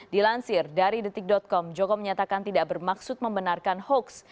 dilansir dari detik com joko menyatakan tidak bermaksud membenarkan hoax